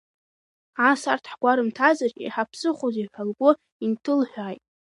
Ас арҭ ҳгәарымҭаӡар, иҳаԥсыхәоузеи ҳәа лгәы инҭылҳәааит.